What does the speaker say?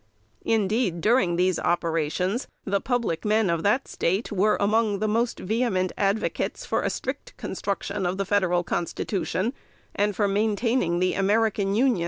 Indeed, during these operations, the public men of that State were among the most vehement advocates for a strict construction of the Federal Constitution, and for maintaining the American Union.